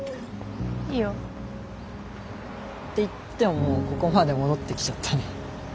いいよ。って言ってももうここまで戻ってきちゃったね。